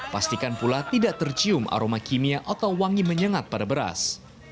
pastikan pula tidak tercium aroma kimia atau wangi menyengat pada beras